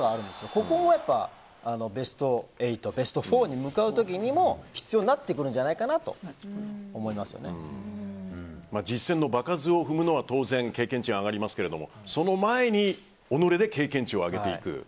ここもベスト８、ベスト４に向かう時に必要になってくるんじゃないかな実戦の場数を踏むのは当然経験値が上がりますがその前に己で経験値を上げていく。